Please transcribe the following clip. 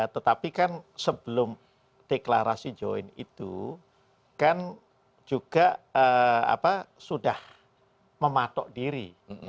tetapi kan sebelum deklarasi join itu kan juga sudah mematok diri